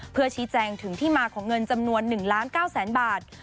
เพื่อชี้แจงถึงที่มาของเงินจำนวน๑ล้าน๙แสนบาท